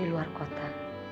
hukum di luar kota